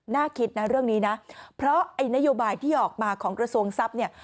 น่าคิดนะเรื่องนี้นะเพราะไอ้นโยบายที่ออกมาของกระทรวงทรัพย์เนี่ย